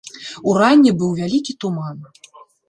Уранні быў вялікі туман.